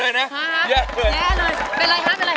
เป็นไรคะเป็นไรคะ